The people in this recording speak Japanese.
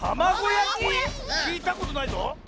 きいたことないぞ！